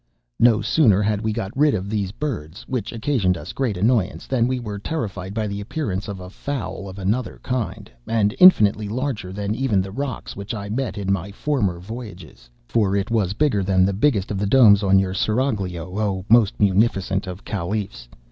"'No sooner had we got rid of these birds, which occasioned us great annoyance, than we were terrified by the appearance of a fowl of another kind, and infinitely larger than even the rocs which I met in my former voyages; for it was bigger than the biggest of the domes on your seraglio, oh, most Munificent of Caliphs.